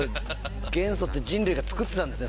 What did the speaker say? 元素って人類がつくってたんですね